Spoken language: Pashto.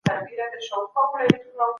درملنه د وایرس کچه راکموي.